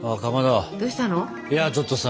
いやちょっとさ